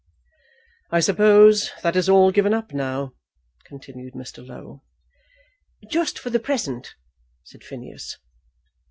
"I suppose that is all given up now," continued Mr. Low. "Just for the present," said Phineas.